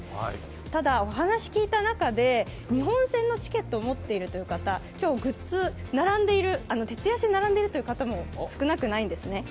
ただお話聞いた中で日本戦のチケットを持っているという方、今日グッズ、徹夜して並んでいるという方も少なくないんですね。